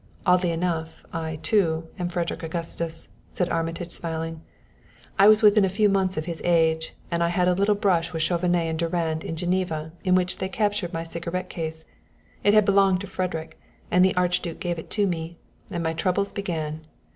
Oddly enough, I, too, am Frederick Augustus," and Armitage smiled. "I was within a few months of his age, and I had a little brush with Chauvenet and Durand in Geneva in which they captured my cigarette case it had belonged to Frederick, and the Archduke gave it to me and my troubles began.